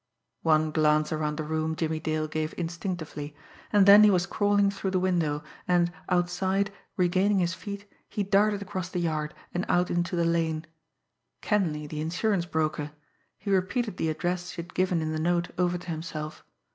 One glance around the room Jimmie Dale gave instinctively; and then he was crawling through the window, and, outside, regaining his feet, he darted across the yard, and out into the lane. Kenleigh, the insurance broker he repeated the address she had given in the note over to himself.